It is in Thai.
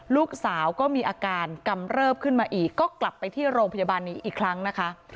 ลูกสาวก็มีอาการกำเริบขึ้นมาอีกก็กลับไปที่โรงพยาบาลนี้อีกครั้งนะคะ